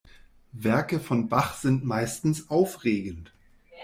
Werke von Bach sind meistens aufregend.